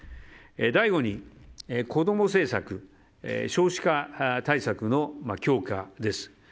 第５に、子供政策少子化対策の強化です。